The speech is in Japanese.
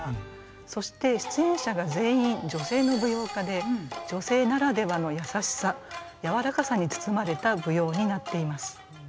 そして出演者が全員女性の舞踊家で女性ならではの優しさ柔らかさに包まれた舞踊になっています。